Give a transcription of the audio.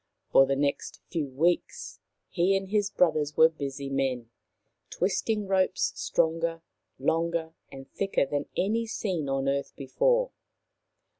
For the next few weeks he and his brothers were busy men, twisting ropes stronger, longer and thicker than any seen on earth before.